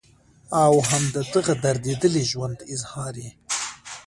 او هم د دغه درديدلي ژوند اظهار ئې